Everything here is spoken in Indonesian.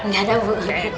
gak ada bu